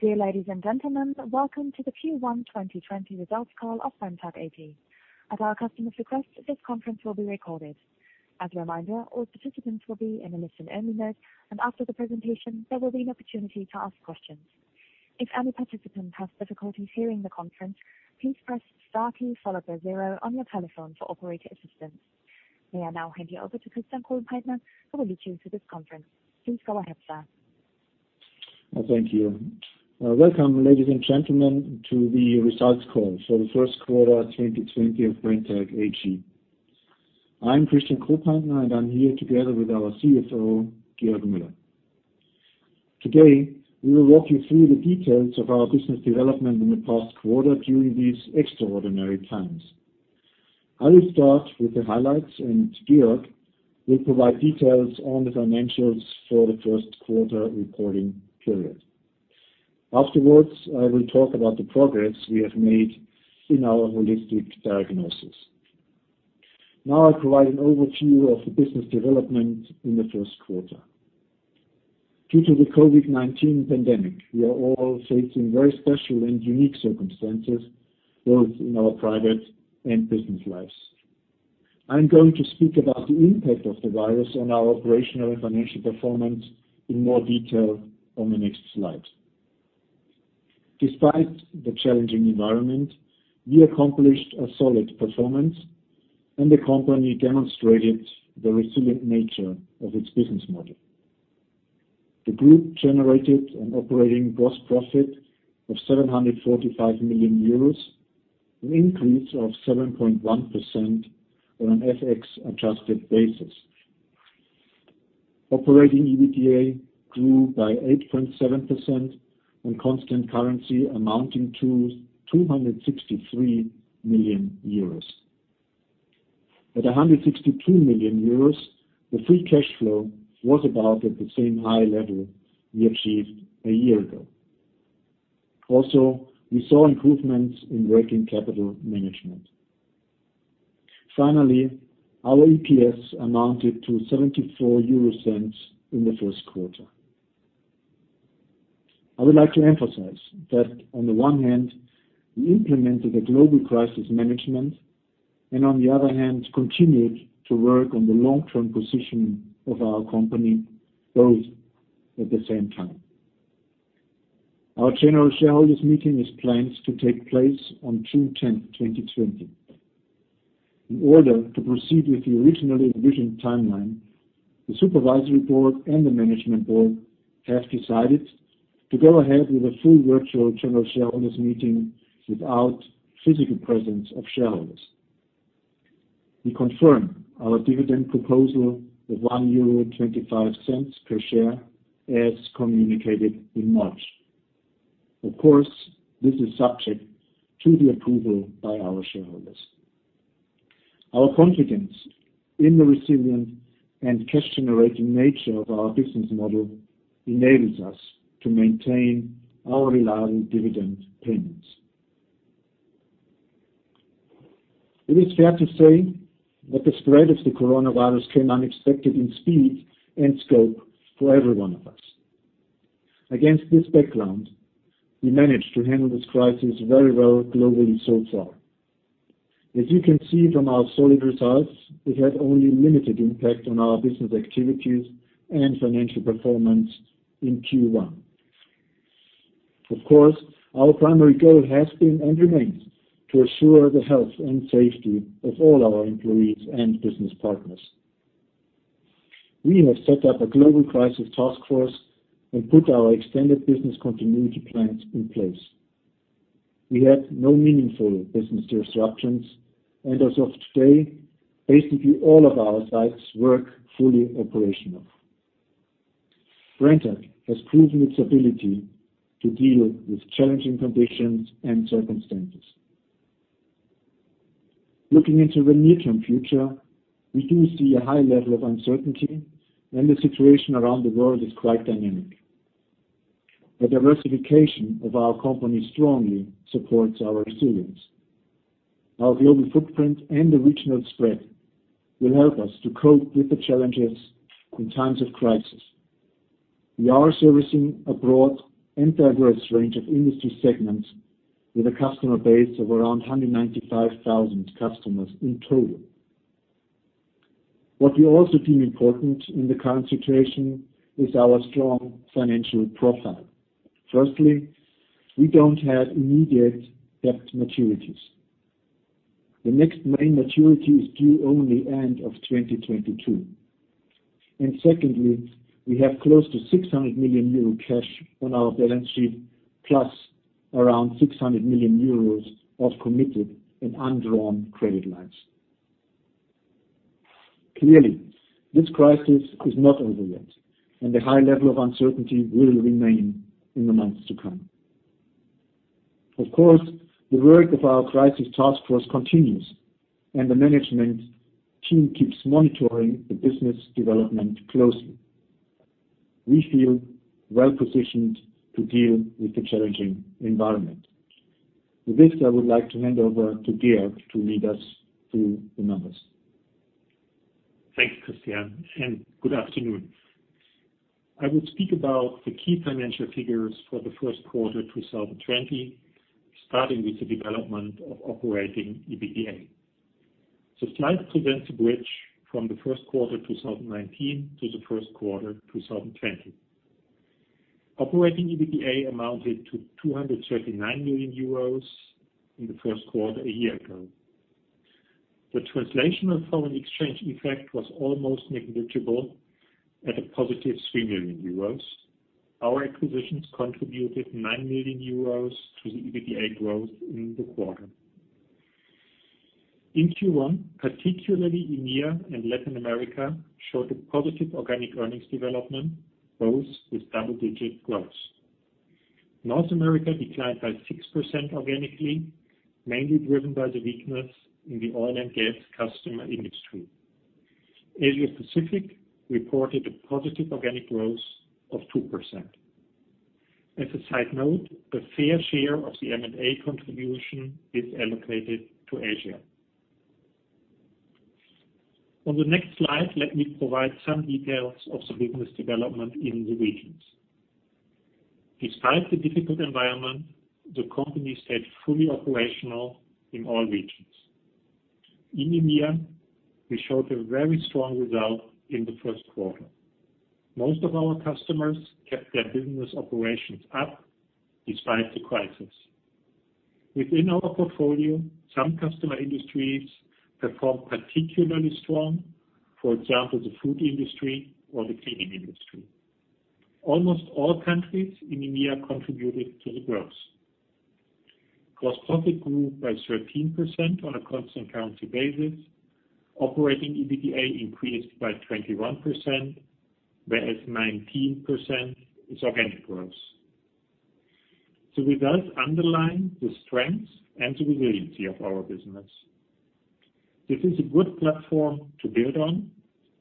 Dear ladies and gentlemen, welcome to the Q1 2020 results call of Brenntag AG. At our customers' request, this conference will be recorded. As a reminder, all participants will be in a listen-only mode, and after the presentation, there will be an opportunity to ask questions. If any participant has difficulties hearing the conference, please press star key, followed by zero on your telephone for operator assistance. May I now hand you over to Christian Kohlpaintner, who will be chairing this conference. Please go ahead, sir. Thank you. Welcome, ladies and gentlemen, to the results call for the first quarter 2020 of Brenntag AG. I'm Christian Kohlpaintner. I'm here together with our CFO, Georg Müller. Today, we will walk you through the details of our business development in the past quarter during these extraordinary times. I will start with the highlights. Georg will provide details on the financials for the first quarter reporting period. Afterwards, I will talk about the progress we have made in our holistic diagnosis. Now I provide an overview of the business development in the first quarter. Due to the COVID-19 pandemic, we are all facing very special and unique circumstances, both in our private and business lives. I'm going to speak about the impact of the virus on our operational and financial performance in more detail on the next slide. Despite the challenging environment, we accomplished a solid performance and the company demonstrated the resilient nature of its business model. The group generated an operating gross profit of 745 million euros, an increase of 7.1% on an FX adjusted basis. Operating EBITDA grew by 8.7% on constant currency amounting to 263 million euros. At 162 million euros, the free cash flow was about at the same high level we achieved a year ago. Also, we saw improvements in working capital management. Finally, our EPS amounted to 0.74 in the first quarter. I would like to emphasize that on the one hand, we implemented a global crisis management, and on the other hand, continued to work on the long-term positioning of our company, both at the same time. Our general shareholders meeting is planned to take place on June 10th, 2020. In order to proceed with the originally envisioned timeline, the supervisory board and the management board have decided to go ahead with a full virtual general shareholders meeting without physical presence of shareholders. We confirm our dividend proposal of 1.25 euro per share as communicated in March. Of course, this is subject to the approval by our shareholders. Our confidence in the resilient and cash-generating nature of our business model enables us to maintain our reliable dividend payments. It is fair to say that the spread of the coronavirus came unexpected in speed and scope for everyone of us. Against this background, we managed to handle this crisis very well globally so far. As you can see from our solid results, it had only limited impact on our business activities and financial performance in Q1. Of course, our primary goal has been and remains to assure the health and safety of all our employees and business partners. We have set up a global crisis task force and put our extended business continuity plans in place. We had no meaningful business disruptions, and as of today, basically all of our sites work fully operational. Brenntag has proven its ability to deal with challenging conditions and circumstances. Looking into the near-term future, we do see a high level of uncertainty and the situation around the world is quite dynamic. The diversification of our company strongly supports our resilience. Our global footprint and the regional spread will help us to cope with the challenges in times of crisis. We are servicing a broad and diverse range of industry segments with a customer base of around 195,000 customers in total. What we also feel important in the current situation is our strong financial profile. Firstly, we don't have immediate debt maturities. The next main maturity is due only end of 2022. Secondly, we have close to 600 million euro cash on our balance sheet plus around 600 million euros of committed and undrawn credit lines. Clearly, this crisis is not over yet, and a high level of uncertainty will remain in the months to come. Of course, the work of our crisis task force continues, and the management team keeps monitoring the business development closely. We feel well-positioned to deal with the challenging environment. With this, I would like to hand over to Georg to lead us through the numbers Thanks, Christian, and good afternoon. I will speak about the key financial figures for the first quarter 2020, starting with the development of operating EBITDA. The slide presents a bridge from the first quarter 2019 to the first quarter 2020. Operating EBITDA amounted to 239 million euros in the first quarter a year ago. The translational foreign exchange effect was almost negligible at a positive 3 million euros. Our acquisitions contributed 9 million euros to the EBITDA growth in the quarter. In Q1, particularly EMEA and Latin America showed a positive organic earnings development, both with double-digit growth. North America declined by 6% organically, mainly driven by the weakness in the oil and gas customer industry. Asia Pacific reported a positive organic growth of 2%. As a side note, the fair share of the M&A contribution is allocated to Asia. On the next slide, let me provide some details of the business development in the regions. Despite the difficult environment, the company stayed fully operational in all regions. In EMEA, we showed a very strong result in the first quarter. Most of our customers kept their business operations up despite the crisis. Within our portfolio, some customer industries performed particularly strong, for example, the food industry or the cleaning industry. Almost all countries in EMEA contributed to the growth. Gross profit grew by 13% on a constant currency basis. Operating EBITDA increased by 21%, whereas 19% is organic growth. The results underline the strength and the resiliency of our business. This is a good platform to build on,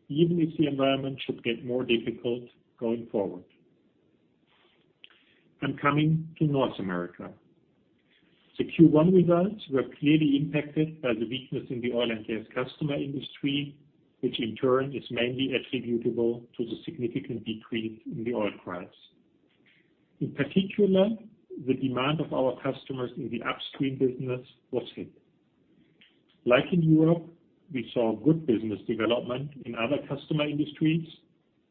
even if the environment should get more difficult going forward. I'm coming to North America. The Q1 results were clearly impacted by the weakness in the oil and gas customer industry, which in turn is mainly attributable to the significant decrease in the oil price. In particular, the demand of our customers in the upstream business was hit. Like in Europe, we saw good business development in other customer industries.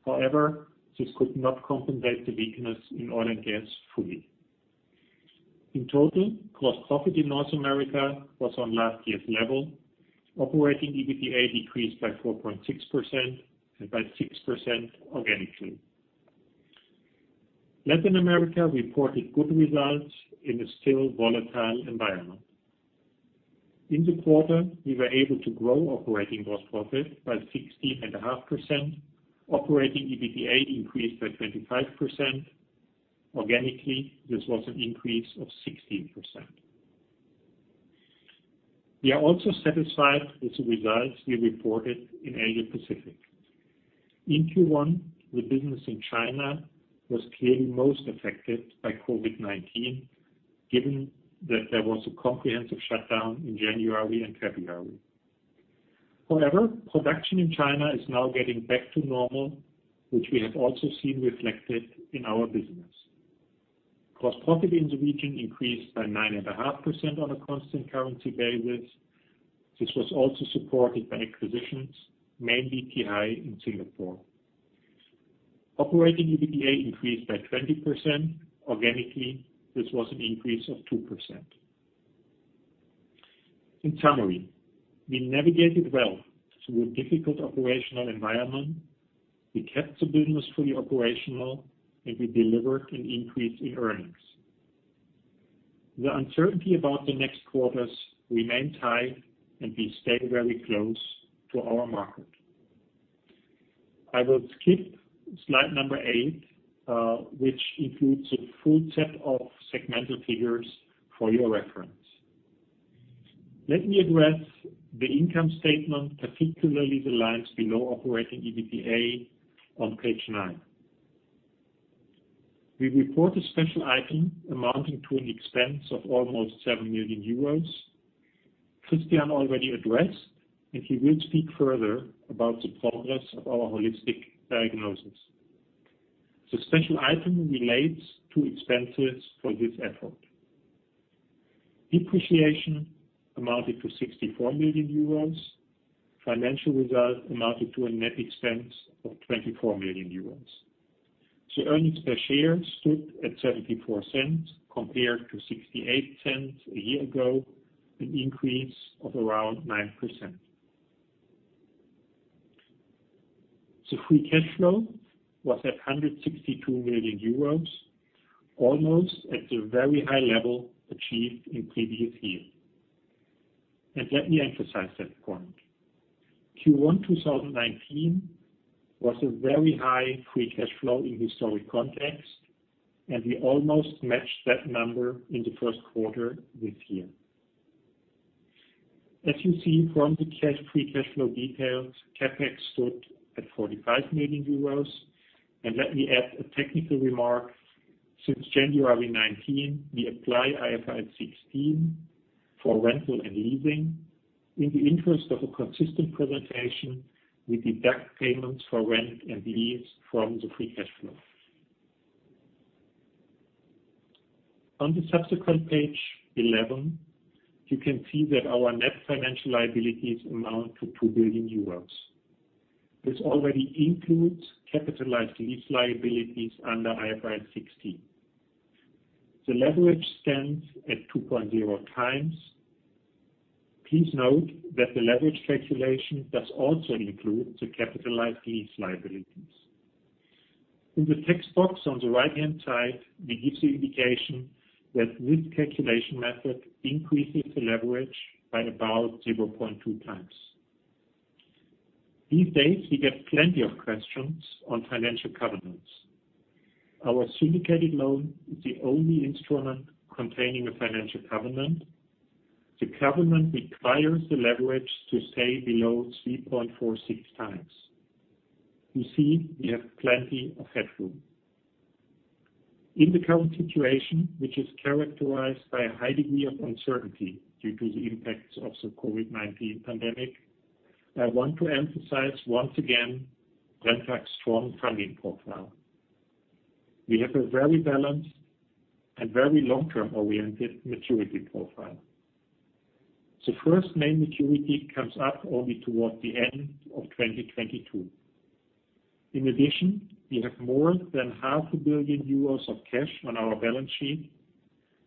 However, this could not compensate the weakness in oil and gas fully. In total, gross profit in North America was on last year's level. Operating EBITDA decreased by 4.6% and by 6% organically. Latin America reported good results in a still volatile environment. In the quarter, we were able to grow operating gross profit by 16.5%. Operating EBITDA increased by 25%. Organically, this was an increase of 16%. We are also satisfied with the results we reported in Asia Pacific. In Q1, the business in China was clearly most affected by COVID-19, given that there was a comprehensive shutdown in January and February. Production in China is now getting back to normal, which we have also seen reflected in our business. Gross profit in the region increased by 9.5% on a constant currency basis. This was also supported by acquisitions, Tee-Hai in Singapore. Operating EBITDA increased by 20%. Organically, this was an increase of 2%. In summary, we navigated well through a difficult operational environment. We kept the business fully operational, and we delivered an increase in earnings. The uncertainty about the next quarters remain high, and we stay very close to our market. I will skip slide number eight, which includes a full set of segmental figures for your reference. Let me address the income statement, particularly the lines below operating EBITDA on page nine. We report a special item amounting to an expense of almost 7 million euros. Christian already addressed, he will speak further about the progress of our holistic analysis. The special item relates to expenses for this effort. Depreciation amounted to 64 million euros. Financial results amounted to a net expense of 24 million euros. The earnings per share stood at 0.74 compared to 0.68 a year ago, an increase of around 9%. The free cash flow was at 162 million euros, almost at the very high level achieved in previous years. Let me emphasize that point. Q1 2019 was a very high free cash flow in historic context, we almost matched that number in the first quarter this year. As you see from the free cash flow details, CapEx stood at 45 million euros. Let me add a technical remark. Since January 2019, we apply IFRS 16 for rental and leasing. In the interest of a consistent presentation, we deduct payments for rent and lease from the free cash flow. On the subsequent page, 11, you can see that our net financial liabilities amount to 2 billion euros. This already includes capitalized lease liabilities under IFRS 16. The leverage stands at 2.0x. Please note that the leverage calculation does also include the capitalized lease liabilities. In the text box on the right-hand side, we give the indication that this calculation method increases the leverage by about 0.2x. These days, we get plenty of questions on financial covenants. Our syndicated loan is the only instrument containing a financial covenant. The covenant requires the leverage to stay below 3.46x. You see we have plenty of headroom. In the current situation, which is characterized by a high degree of uncertainty due to the impacts of the COVID-19 pandemic, I want to emphasize once again Brenntag's strong funding profile. We have a very balanced and very long-term oriented maturity profile. The first main maturity comes up only towards the end of 2022. In addition, we have more than 0.5 billion euros Of cash on our balance sheet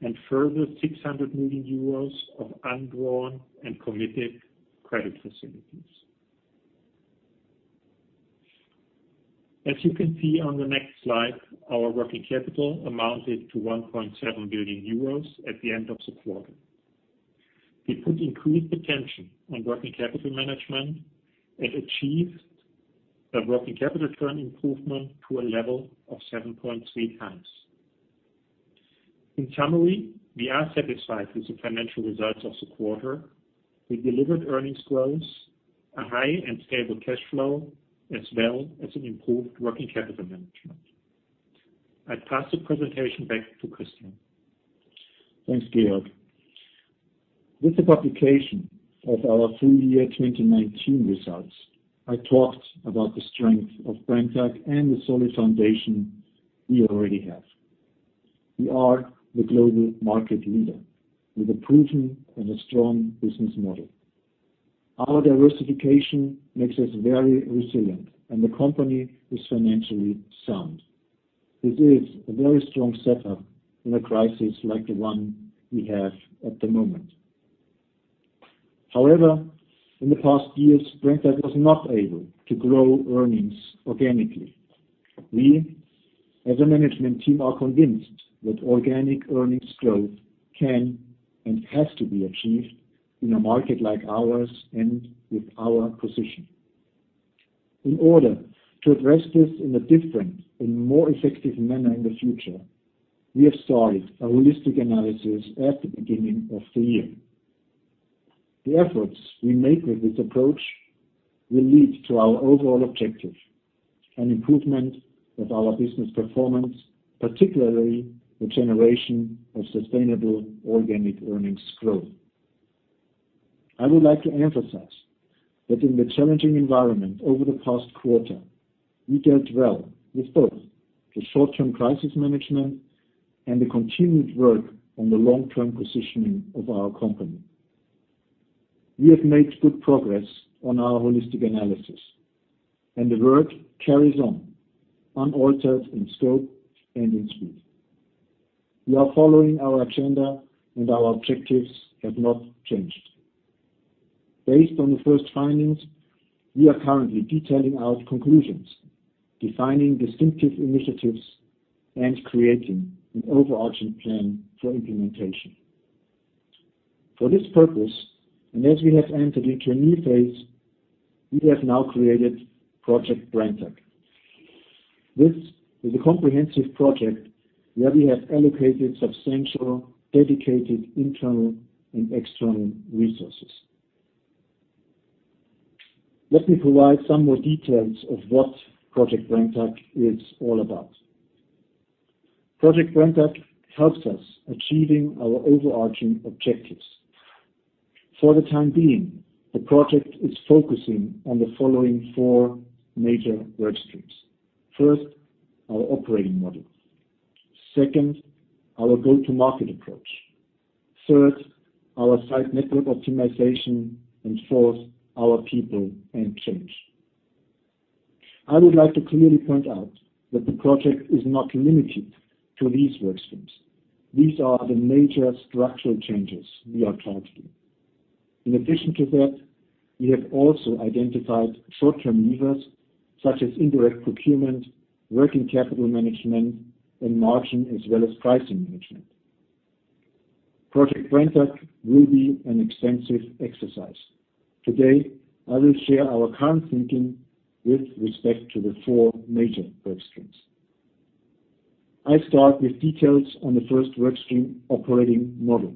and a further 600 million euros of undrawn and committed credit facilities. As you can see on the next slide, our working capital amounted to 1.7 billion euros at the end of the quarter. We put increased attention on working capital management and achieved a working capital turn improvement to a level of 7.3x. In summary, we are satisfied with the financial results of the quarter. We delivered earnings growth, a high and stable cash flow, as well as an improved working capital management. I pass the presentation back to Christian. Thanks, Georg. With the publication of our full year 2019 results, I talked about the strength of Brenntag and the solid foundation we already have. We are the global market leader with a proven and a strong business model. Our diversification makes us very resilient, and the company is financially sound. This is a very strong setup in a crisis like the one we have at the moment. However, in the past years, Brenntag was not able to grow earnings organically. We, as a management team, are convinced that organic earnings growth can and has to be achieved in a market like ours and with our position. In order to address this in a different and more effective manner in the future, we have started a holistic analysis at the beginning of the year. The efforts we make with this approach will lead to our overall objective, an improvement of our business performance, particularly the generation of sustainable organic earnings growth. I would like to emphasize that in the challenging environment over the past quarter, we dealt well with both the short-term crisis management and the continued work on the long-term positioning of our company. We have made good progress on our holistic analysis, and the work carries on unaltered in scope and in speed. We are following our agenda and our objectives have not changed. Based on the first findings, we are currently detailing our conclusions, defining distinctive initiatives, and creating an overarching plan for implementation. For this purpose, and as we have entered into a new phase, we have now created Project Brenntag. This is a comprehensive project where we have allocated substantial, dedicated internal and external resources. Let me provide some more details of what Project Brenntag is all about. Project Brenntag helps us achieving our overarching objectives. For the time being, the project is focusing on the following four major work streams. First, our operating model. Second, our go-to-market approach. Third, our site network optimization, and fourth, our people and change. I would like to clearly point out that the project is not limited to these work streams. These are the major structural changes we are targeting. In addition to that, we have also identified short-term levers, such as indirect procurement, working capital management, and margin, as well as pricing management. Project Brenntag will be an extensive exercise. Today, I will share our current thinking with respect to the four major work streams. I start with details on the first work stream operating model.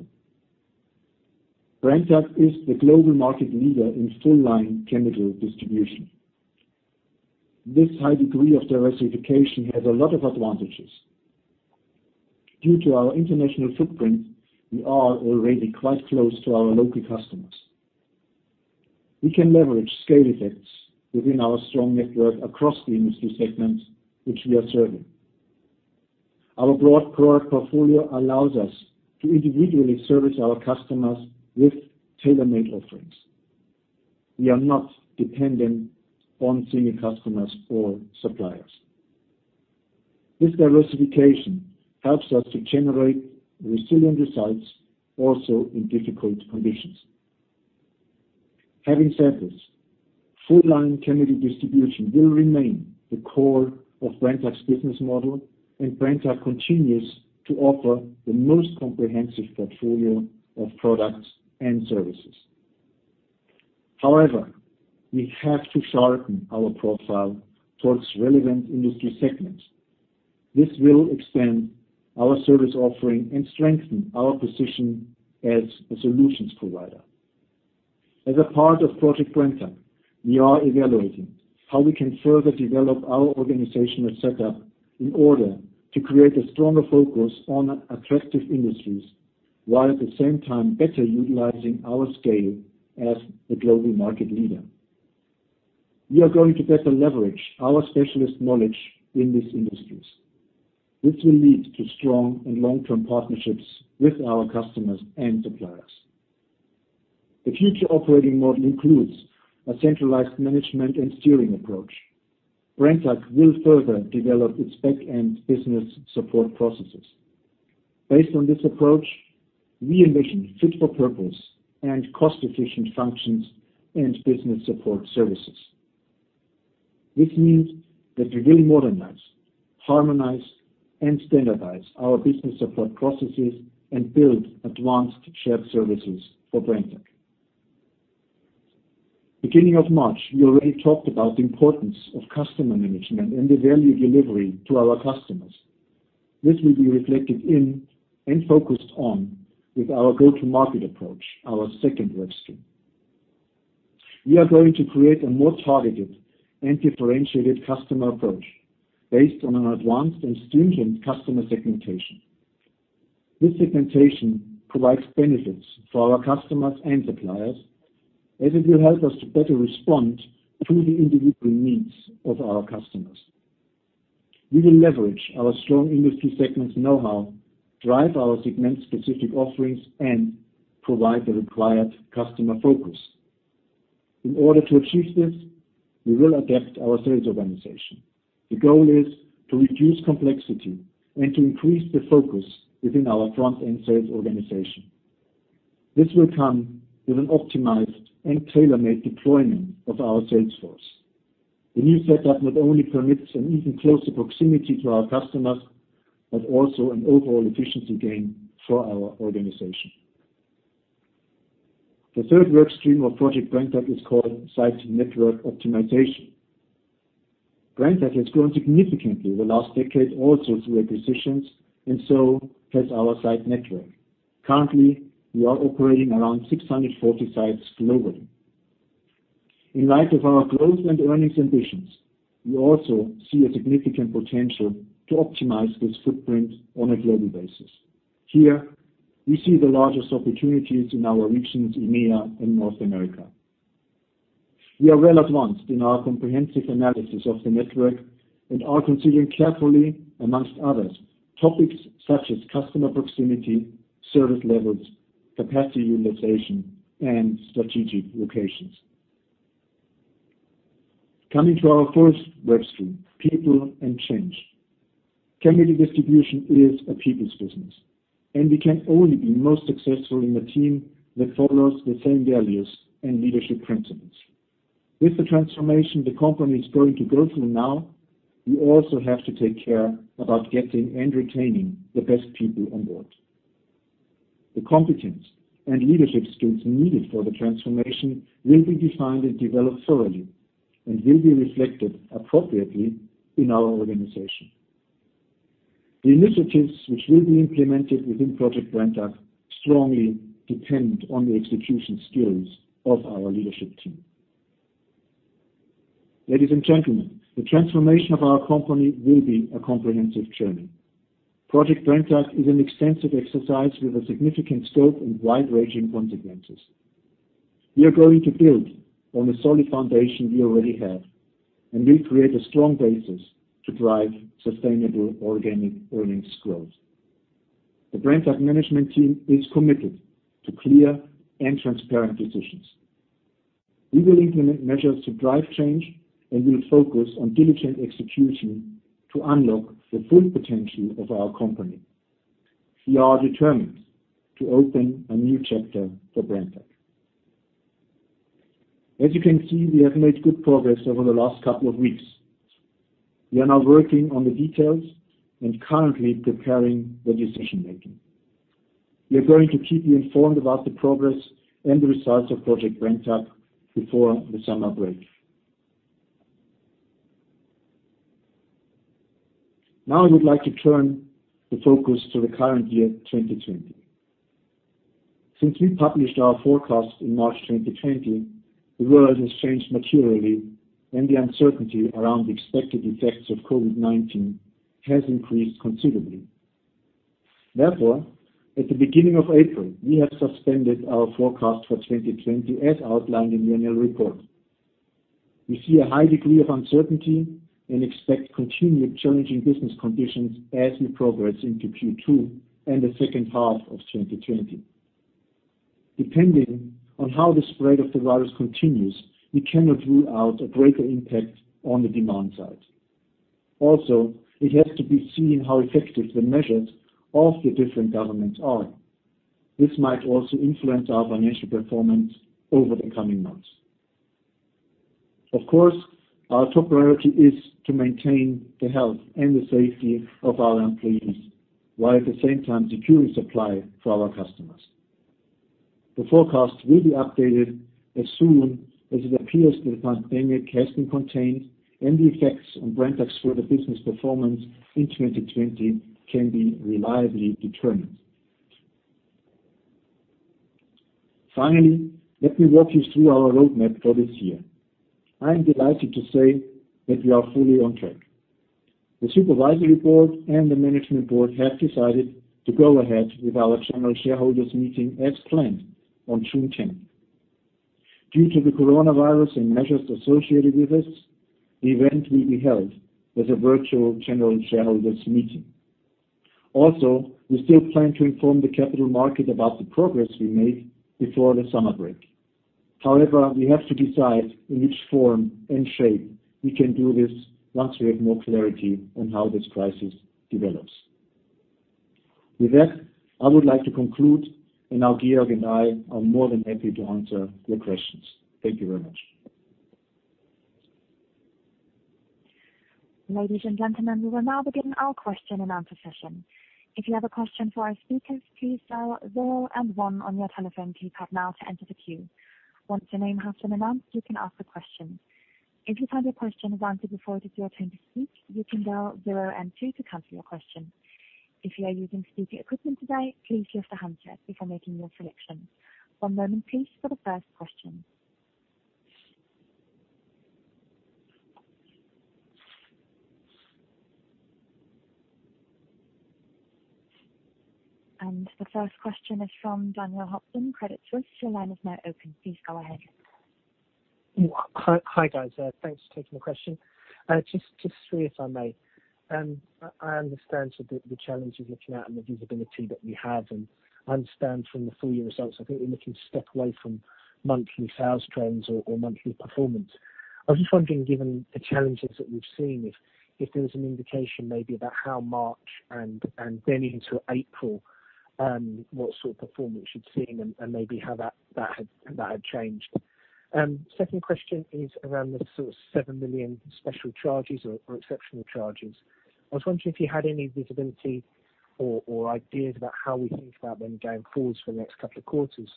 Brenntag is the global market leader in full-line chemical distribution. This high degree of diversification has a lot of advantages. Due to our international footprint, we are already quite close to our local customers. We can leverage scale effects within our strong network across the industry segments which we are serving. Our broad product portfolio allows us to individually service our customers with tailor-made offerings. We are not dependent on senior customers or suppliers. This diversification helps us to generate resilient results, also in difficult conditions. Having said this, full-line chemical distribution will remain the core of Brenntag's business model, and Brenntag continues to offer the most comprehensive portfolio of products and services. However, we have to sharpen our profile towards relevant industry segments. This will extend our service offering and strengthen our position as a solutions provider. As a part of Project Brenntag, we are evaluating how we can further develop our organizational setup in order to create a stronger focus on attractive industries, while at the same time better utilizing our scale as the global market leader. We are going to better leverage our specialist knowledge in these industries. This will lead to strong and long-term partnerships with our customers and suppliers. The future operating model includes a centralized management and steering approach. Brenntag will further develop its back-end business support processes. Based on this approach, we envision fit-for-purpose and cost-efficient functions and business support services. This means that we will modernize, harmonize, and standardize our business support processes and build advanced shared services for Brenntag. Beginning of March, we already talked about the importance of customer management and the value delivery to our customers. This will be reflected in and focused on with our go-to-market approach, our second workstream. We are going to create a more targeted and differentiated customer approach based on an advanced and stringent customer segmentation. This segmentation provides benefits for our customers and suppliers, as it will help us to better respond to the individual needs of our customers. We will leverage our strong industry segments know-how, drive our segment-specific offerings, and provide the required customer focus. In order to achieve this, we will adapt our sales organization. The goal is to reduce complexity and to increase the focus within our front-end sales organization. This will come with an optimized and tailor-made deployment of our sales force. The new setup not only permits an even closer proximity to our customers, but also an overall efficiency gain for our organization. The third workstream of Project Brenntag is called site network optimization. Brenntag has grown significantly the last decade, also through acquisitions, and so has our site network. Currently, we are operating around 640 sites globally. In light of our growth and earnings ambitions, we also see a significant potential to optimize this footprint on a global basis. Here, we see the largest opportunities in our regions EMEA and North America. We are well advanced in our comprehensive analysis of the network and are considering carefully, among others, topics such as customer proximity, service levels, capacity utilization, and strategic locations. Coming to our fourth workstream, people and change. Chemical distribution is a people's business, and we can only be most successful in a team that follows the same values and leadership principles. With the transformation the company is going to go through now, we also have to take care about getting and retaining the best people on board. The competence and leadership skills needed for the transformation will be defined and developed thoroughly and will be reflected appropriately in our organization. The initiatives which will be implemented within Project Brenntag strongly depend on the execution skills of our leadership team. Ladies and gentlemen, the transformation of our company will be a comprehensive journey. Project Brenntag is an extensive exercise with a significant scope and wide-ranging consequences. We are going to build on the solid foundation we already have and will create a strong basis to drive sustainable organic earnings growth. The Brenntag management team is committed to clear and transparent decisions. We will implement measures to drive change, and we'll focus on diligent execution to unlock the full potential of our company. We are determined to open a new chapter for Brenntag. As you can see, we have made good progress over the last couple of weeks. We are now working on the details and currently preparing the decision-making. We are going to keep you informed about the progress and the results of Project Brenntag before the summer break. I would like to turn the focus to the current year 2020. Since we published our forecast in March 2020, the world has changed materially and the uncertainty around the expected effects of COVID-19 has increased considerably. At the beginning of April, we have suspended our forecast for 2020 as outlined in the annual report. We see a high degree of uncertainty and expect continued challenging business conditions as we progress into Q2 and the second half of 2020. Depending on how the spread of the virus continues, we cannot rule out a greater impact on the demand side. It has to be seen how effective the measures of the different governments are. This might also influence our financial performance over the coming months. Of course, our top priority is to maintain the health and the safety of our employees, while at the same time securing supply for our customers. The forecast will be updated as soon as it appears that the pandemic has been contained and the effects on Brenntag's further business performance in 2020 can be reliably determined. Finally, let me walk you through our roadmap for this year. I am delighted to say that we are fully on track. The supervisory board and the management board have decided to go ahead with our general shareholders meeting as planned on June 10th. Due to the coronavirus and measures associated with this, the event will be held as a virtual general shareholders meeting. We still plan to inform the capital market about the progress we made before the summer break. However, we have to decide in which form and shape we can do this once we have more clarity on how this crisis develops. With that, I would like to conclude. Now Georg and I are more than happy to answer your questions. Thank you very much. Ladies and gentlemen, we will now begin our question and answer session. If you have a question for our speakers, please dial zero and one on your telephone keypad now to enter the queue. Once your name has been announced, you can ask a question. If you find your question is answered before it is your turn to speak, you can dial zero and two to cancel your question. If you are using speaker equipment today, please lift the handset before making your selection. One moment please for the first question. The first question is from Daniel Hobden, Credit Suisse. Your line is now open. Please go ahead. Hi, guys. Thanks for taking the question. Just three, if I may. I understand sort of the challenges looking out and the visibility that we have, and understand from the full year results, I think we're looking to step away from monthly sales trends or monthly performance. I was just wondering, given the challenges that we've seen, if there was an indication maybe about how March and then into April, what sort of performance you've seen and maybe how that had changed. Second question is around the sort of 7 million special charges or exceptional charges. I was wondering if you had any visibility or ideas about how we think about them going forwards for the next couple of quarters.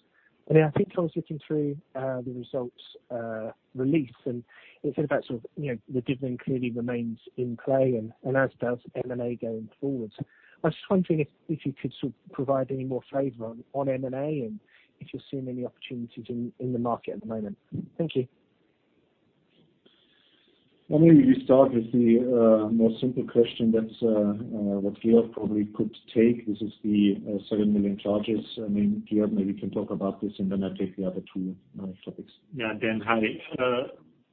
Then I think I was looking through the results release, and it said about sort of the dividend clearly remains in play and as does M&A going forwards. I was just wondering if you could sort of provide any more flavor on M&A and if you see any opportunities in the market at the moment. Thank you. We start with the more simple question that what Georg probably could take. This is the 7 million charges. I mean, Georg, maybe you can talk about this, then I take the other two topics. Dan, hi.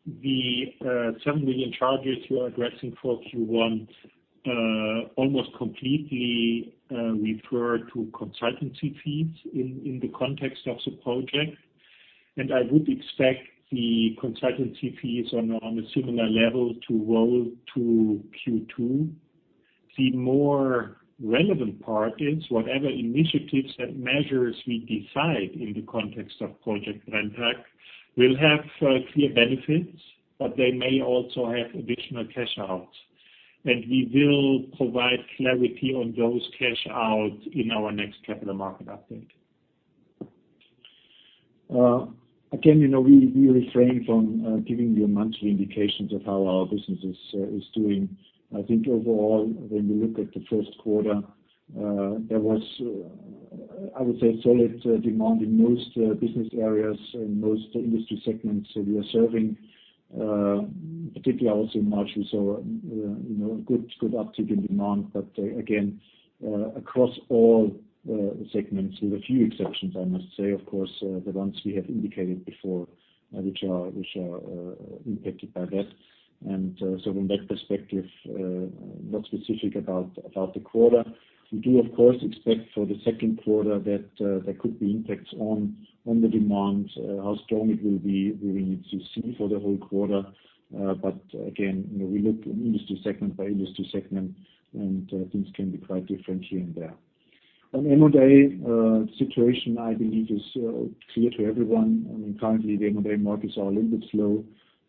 The 7 million charges you are addressing for Q1 almost completely refer to consultancy fees in the context of the Project. I would expect the consultancy fees on a similar level to roll to Q2. The more relevant part is whatever initiatives and measures we decide in the context of Project Brenntag will have clear benefits, but they may also have additional cash outs. We will provide clarity on those cash outs in our next capital market update. Again, we refrain from giving you monthly indications of how our business is doing. I think overall, when we look at the first quarter, there was, I would say, solid demand in most business areas, in most industry segments that we are serving. Particularly also in March, we saw a good uptick in demand. Again, across all segments, with a few exceptions, I must say, of course, the ones we have indicated before, which are impacted by that. From that perspective, not specific about the quarter. We do, of course, expect for the second quarter that there could be impacts on the demand. How strong it will be, we will need to see for the whole quarter. Again, we look industry segment by industry segment, and things can be quite different here and there. On M&A, situation, I believe is clear to everyone. I mean, currently the M&A markets are a little bit slow.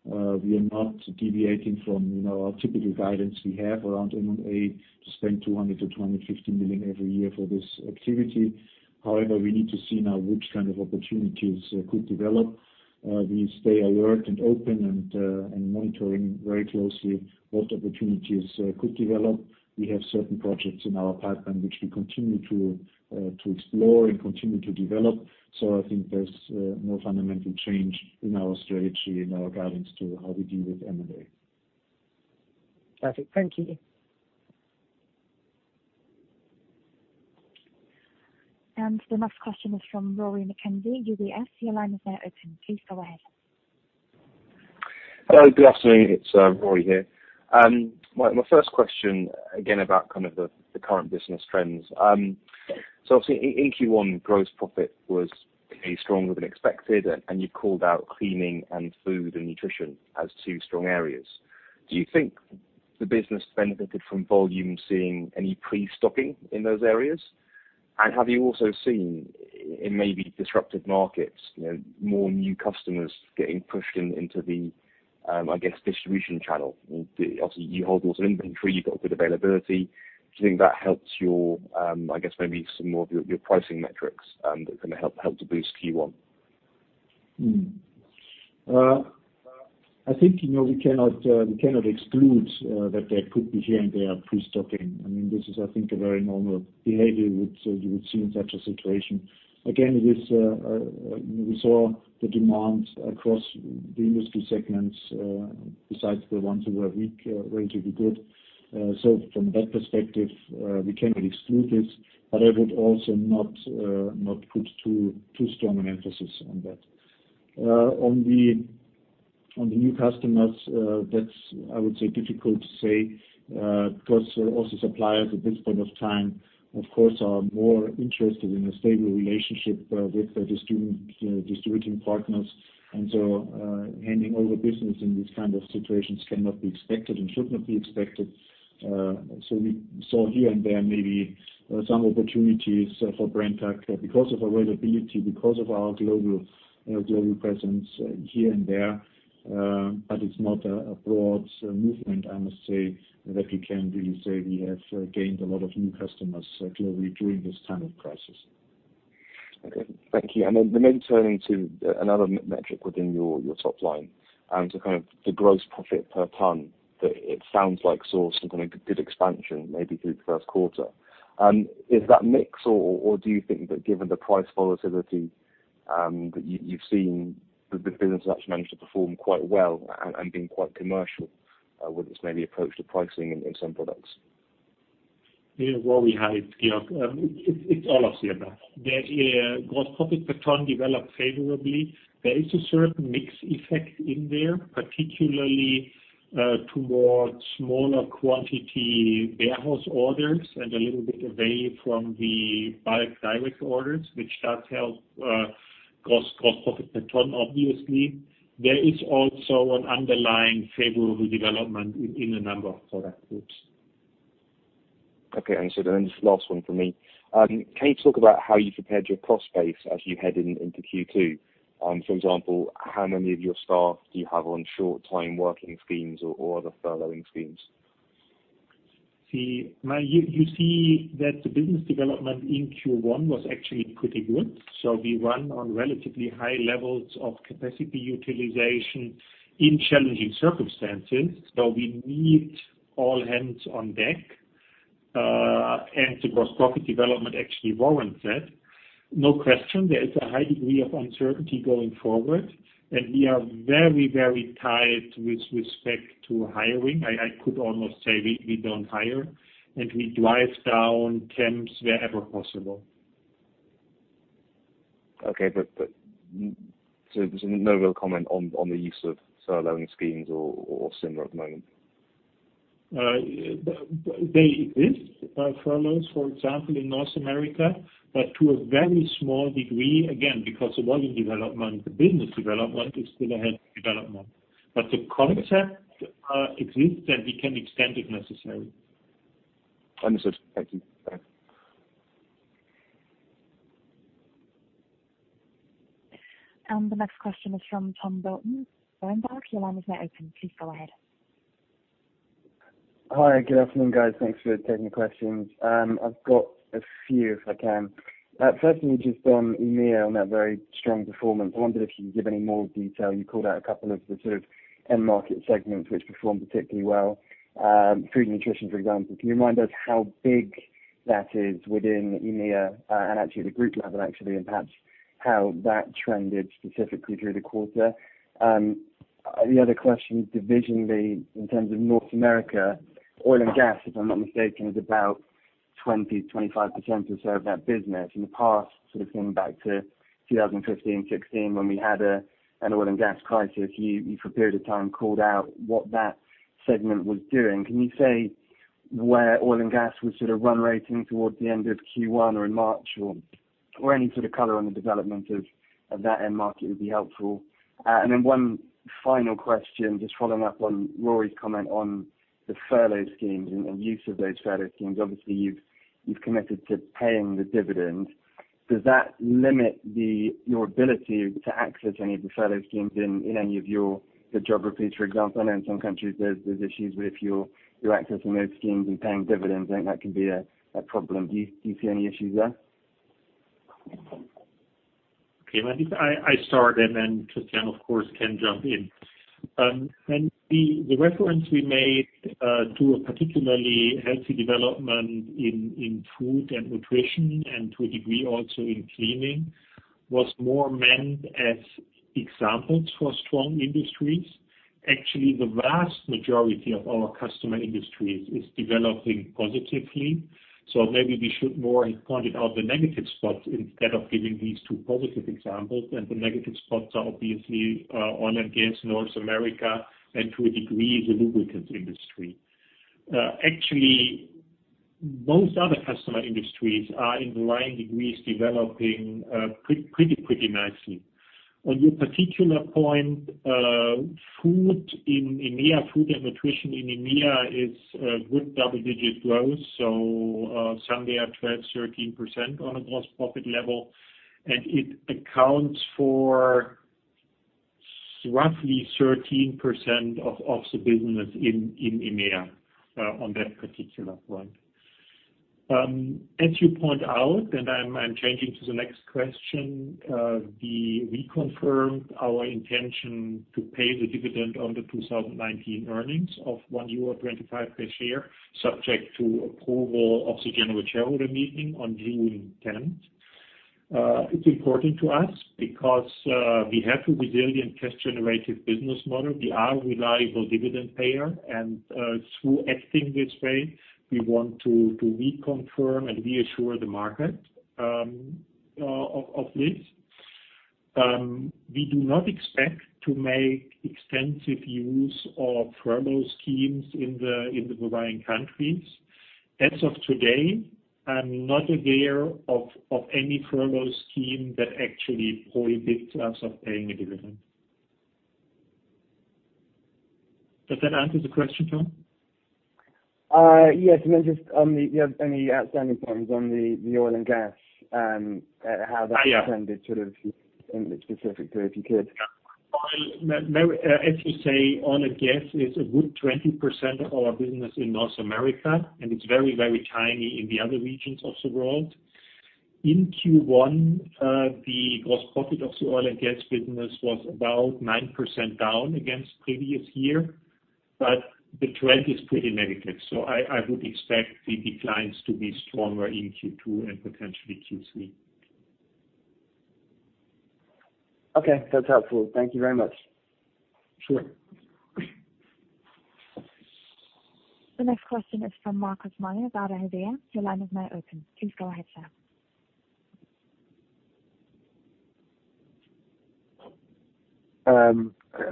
We are not deviating from our typical guidance we have around M&A. To spend 200 million-250 million every year for this activity. However, we need to see now which kind of opportunities could develop. We stay alert and open and monitoring very closely what opportunities could develop. We have certain projects in our pipeline which we continue to explore and continue to develop. I think there's no fundamental change in our strategy, in our guidance to how we deal with M&A. Perfect. Thank you. The next question is from Rory McKenzie, UBS. Your line is now open. Please go ahead. Hello, good afternoon. It's Rory here. My first question, again about the current business trends. Obviously in Q1, gross profit was pretty stronger than expected, and you called out cleaning and Food and nutrition as two strong areas. Do you think the business benefited from volume seeing any pre-stocking in those areas? Have you also seen in maybe disruptive markets, more new customers getting pushed into the, I guess, distribution channel? Obviously, you hold lots of inventory, you've got good availability. Do you think that helps your, I guess maybe some more of your pricing metrics that can help to boost Q1? I think, we cannot exclude that there could be here and there pre-stocking. I mean, this is I think a very normal behavior you would see in such a situation. Again, we saw the demands across the industry segments, besides the ones who are weak, going to be good. From that perspective, we cannot exclude this. I would also not put too strong an emphasis on that. On the new customers, that's, I would say, difficult to say, because also suppliers at this point of time, of course, are more interested in a stable relationship with the distributing partners. Handing over business in these kind of situations cannot be expected and should not be expected. We saw here and there maybe some opportunities for Brenntag because of our availability, because of our global presence here and there. It's not a broad movement, I must say, that we can really say we have gained a lot of new customers globally during this time of crisis. Okay. Thank you. Maybe turning to another metric within your top line to kind of the gross profit per ton, that it sounds like saw some kind of good expansion maybe through the first quarter. Is that mix, or do you think that given the price volatility that you've seen the business actually manage to perform quite well and been quite commercial with its maybe approach to pricing in some products? Rory, hi, it's Georg. It's all of the above. The gross profit per ton developed favorably. There is a certain mix effect in there, particularly towards smaller quantity warehouse orders and a little bit away from the bulk direct orders, which does help gross profit per ton, obviously. There is also an underlying favorable development in a number of product groups. Okay. Just last one from me. Can you talk about how you prepared your cost base as you head into Q2? For example, how many of your staff do you have on short-time working schemes or other furloughing schemes? You see that the business development in Q1 was actually pretty good. We run on relatively high levels of capacity utilization in challenging circumstances. We need all hands on deck, and the gross profit development actually warrants that. No question, there is a high degree of uncertainty going forward, and we are very tight with respect to hiring. I could almost say we don't hire, and we drive down temps wherever possible. Okay. There's no real comment on the use of furloughing schemes or similar at the moment? They exist, furloughs, for example, in North America, but to a very small degree, again, because of volume development, the business development is still ahead of development. The concept exists, and we can extend it necessary. Understood. Thank you. Bye. The next question is from Tom Burlton. Tom Burlton, your line is now open. Please go ahead. Hi, good afternoon, guys. Thanks for taking the questions. I've got a few if I can. Firstly, just on EMEA on that very strong performance, I wondered if you could give any more detail. You called out a couple of the sort of end market segments which performed particularly well. food and nutrition, for example. Can you remind us how big that is within EMEA and actually at the group level, actually, and perhaps how that trended specifically through the quarter? The other question, divisionally, in terms of North America, oil and gas, if I'm not mistaken, is about 20%-25% or so of that business. In the past, sort of going back to 2015, 2016, when we had an oil and gas crisis, you for a period of time called out what that segment was doing. Can you say where oil and gas was sort of run rating towards the end of Q1 or in March or any sort of color on the development of that end market would be helpful. Then one final question, just following up on Rory's comment on the furlough schemes and use of those furlough schemes. Obviously, you've committed to paying the dividend. Does that limit your ability to access any of the furlough schemes in any of your geographies, for example? I know in some countries there's issues with your access on those schemes and paying dividends, and that can be a problem. Do you see any issues there? Okay. I think I start and then Christian, of course, can jump in. The reference we made to a particularly healthy development in food and nutrition, and to a degree also in cleaning, was more meant as examples for strong industries. Actually, the vast majority of our customer industries is developing positively. Maybe we should more have pointed out the negative spots instead of giving these two positive examples. The negative spots are obviously oil and gas in North America, and to a degree, the lubricants industry. Actually, most other customer industries are in varying degrees developing pretty nicely. On your particular point, food in EMEA, food and nutrition in EMEA is good double-digit growth. Somewhere between 12%-13% on a gross profit level, and it accounts for roughly 13% of the business in EMEA on that particular front. As you point out, and I'm changing to the next question, we confirmed our intention to pay the dividend on the 2019 earnings of 1.25 euro per share, subject to approval of the general shareholder meeting on June 10th. It's important to us because we have a resilient cash generative business model. We are a reliable dividend payer, and through acting this way, we want to reconfirm and reassure the market of this. We do not expect to make extensive use of promo schemes in the varying countries. As of today, I'm not aware of any promo scheme that actually prohibits us of paying a dividend. Does that answer the question, Tom? Yes. Then just on the any outstanding points on the oil and gas- Oh, yeah. how that trended, sort of in specific too, if you could. As you say, oil and gas is a good 20% of our business in North America, and it's very, very tiny in the other regions of the world. In Q1, the gross profit of the oil and gas business was about 9% down against previous year, but the trend is pretty negative. I would expect the declines to be stronger in Q2 and potentially Q3. Okay, that's helpful. Thank you very much. Sure. The next question is from Marcus Maloney of RDM. Your line is now open. Please go ahead, sir.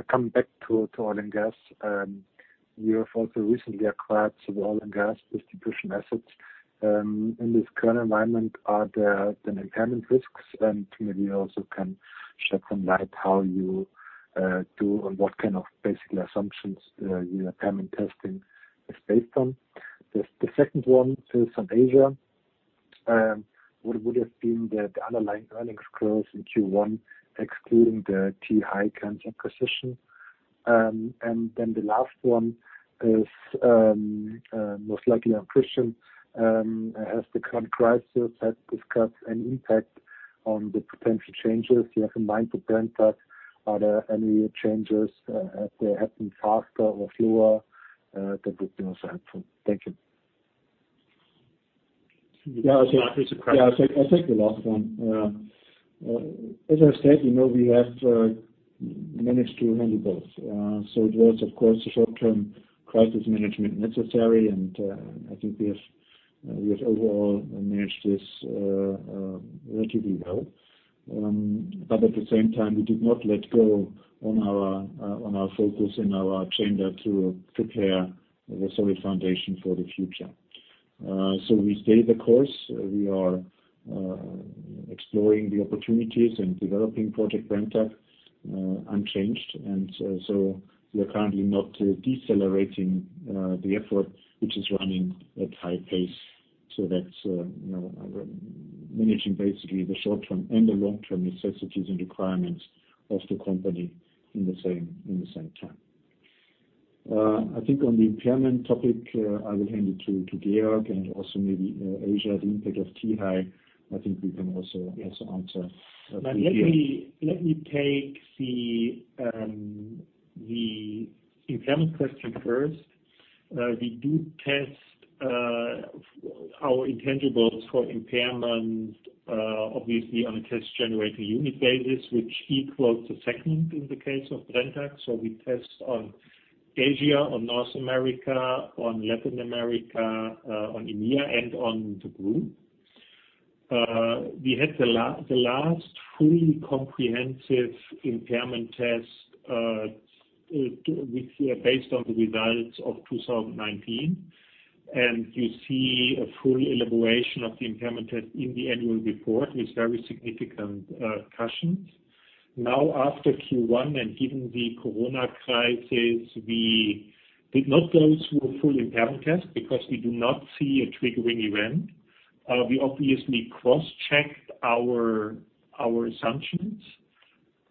Coming back to oil and gas. You have also recently acquired some oil and gas distribution assets. In this current environment, are there any impairment risks? Maybe you also can shed some light on what kind of basic assumptions your impairment testing is based on. The second one is on Asia. What would have been the underlying earnings growth in Q1 excluding the Tee-Hai current acquisition? The last one is, most likely on Christian, has the current crisis had discussed an impact on the potential changes you have in mind to Brenntag? Are there any changes? Have they happened faster or slower? That would be also helpful. Thank you. There are three separate-. Yeah. I'll take the last one. As I said, we have managed to handle both. There was, of course, the short-term crisis management necessary, and I think we have overall managed this relatively well. At the same time, we did not let go on our focus and our agenda to prepare the solid foundation for the future. We stayed the course. We are exploring the opportunities and developing Project Brenntag unchanged, and so we are currently not decelerating the effort, which is running at high pace. That's managing basically the short-term and the long-term necessities and requirements of the company in the same time. I think on the impairment topic, I will hand it to Georg, and also maybe Asia, the impact of Tee Hai. I think we can also answer. Let me take the impairment question first. We do test our intangibles for impairment, obviously on a cash-generating unit basis, which equals a segment in the case of Brenntag. We test on Asia, on North America, on Latin America, on EMEA, and on the group. We had the last fully comprehensive impairment test based on the results of 2019. You see a full elaboration of the impairment test in the annual report with very significant cautions. Now, after Q1 and given the Corona crisis, we did not go through a full impairment test because we do not see a triggering event. We obviously cross-checked our assumptions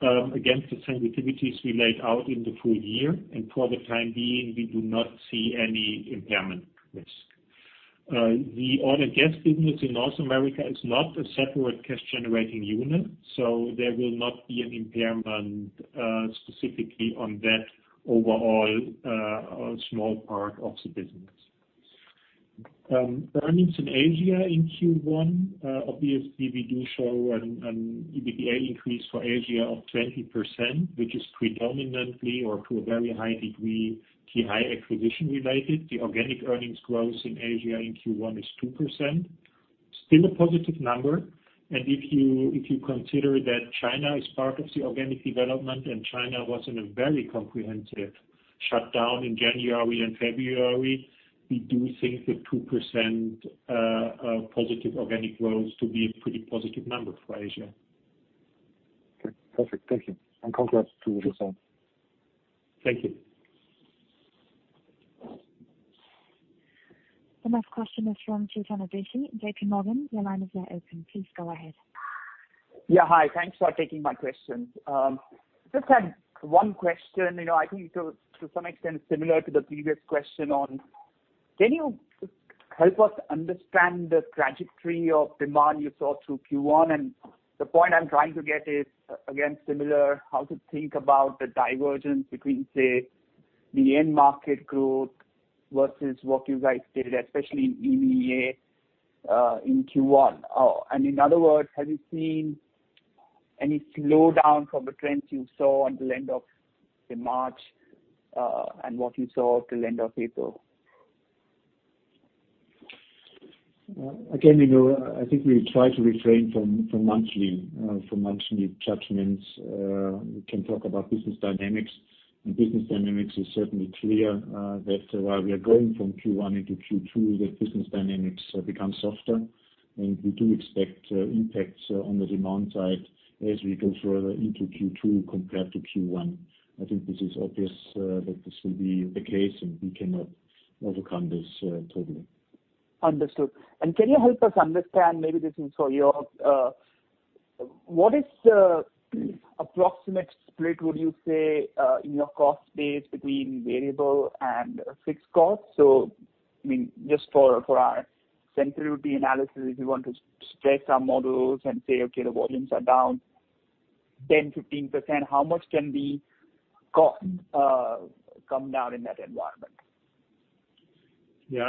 against the sensitivities we laid out in the full year. For the time being, we do not see any impairment risk. The Oil & Gas business in North America is not a separate cash-generating unit, there will not be an impairment specifically on that overall small part of the business. Earnings in Asia in Q1. Obviously, we do show an EBITDA increase for Asia of 20%, which is predominantly or to a very high degree, Tee-Hai acquisition related. The organic earnings growth in Asia in Q1 is 2%, still a positive number. If you consider that China is part of the organic development and China was in a very comprehensive shutdown in January and February, we do think the 2% positive organic growth to be a pretty positive number for Asia. Okay, perfect. Thank you. Congrats to the results. Thank you. The next question is from Chetan Udeshi, JPMorgan, your line is now open. Please go ahead. Yeah, hi. Thanks for taking my questions. Just had one question. I think to some extent similar to the previous question on, can you help us understand the trajectory of demand you saw through Q1? The point I'm trying to get is again, similar, how to think about the divergence between, say, the end market growth versus what you guys did, especially in EMEA, in Q1. In other words, have you seen any slowdown from the trends you saw until end of March, and what you saw till end of April? Again, I think we try to refrain from monthly judgments. We can talk about business dynamics, and business dynamics is certainly clear that while we are going from Q1 into Q2, that business dynamics become softer, and we do expect impacts on the demand side as we go further into Q2 compared to Q1. I think this is obvious that this will be the case and we cannot overcome this totally. Understood. Can you help us understand, maybe this is for Georg, what is the approximate split, would you say, in your cost base between variable and fixed costs? Just for our sensitivity analysis, if you want to stress our models and say, okay, the volumes are down 10, 15%, how much can the cost come down in that environment? Yeah,